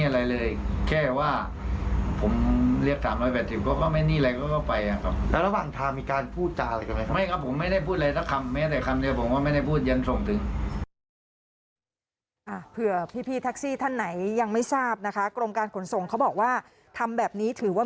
แล้วระหว่างทางมีการพูดจ้าอะไรทำไมครับ